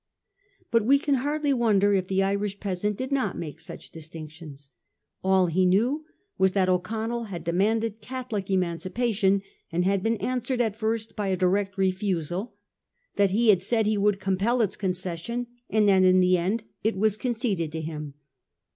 But we can hardly wonder if the Irish peasant did not make such distinctions. All he knew was that O'Connell had demanded Catholic Emancipation, and had been answered at first by a direct refusal ; that he had said he would compel its concession, and that in the end it was conceded to him.